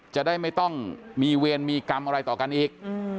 จะได้ไม่ต้องมีเวรมีกรรมอะไรต่อกันอีก